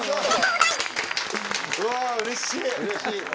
うわうれしい。